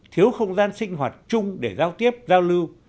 thiếu không gian sinh hoạt chung để giao tiếp giao lưu